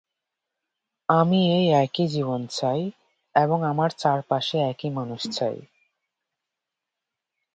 আমি এই একই জীবন চাই, এবং আমার চারপাশে একই মানুষ চাই।